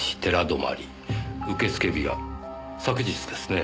受付日は昨日ですね。